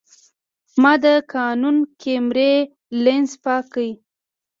ما د کانون کیمرې لینز پاک کړ.